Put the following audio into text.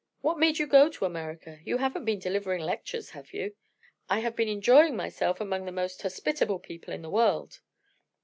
What made you go to America? You haven't been delivering lectures, have you?" "I have been enjoying myself among the most hospitable people in the world."